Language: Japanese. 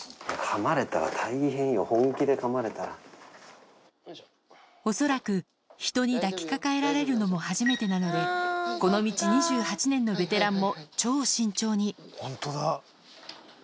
かまれたら大変よ、本気でか恐らく人に抱きかかえられるのも初めてなので、この道２８年のベテランも、超慎重に。